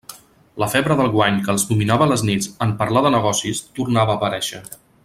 La febre del guany que els dominava a les nits en parlar de negocis tornava a aparèixer.